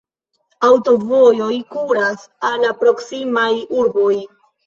Aŭtovojoj kuras al la proksimaj urboj.